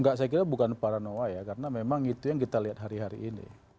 enggak saya kira bukan paranoa ya karena memang itu yang kita lihat hari hari ini